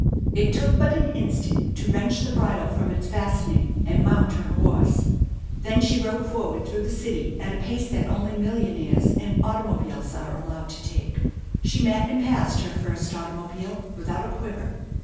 It took but an instant to wrench the bridle from its fastening and mount her horse; then she rode forward through the city at a pace that only millionaires and automobiles are allowed to take. She met and passed her first automobile without a quiver.